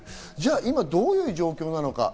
今どういう状況なのか。